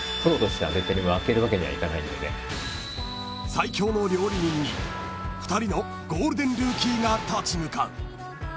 ［最強の料理人に２人のゴールデンルーキーが立ち向かう］